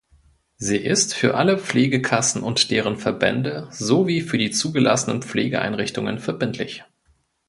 Sie ist für alle Pflegekassen und deren Verbände sowie für die zugelassenen Pflegeeinrichtungen verbindlich.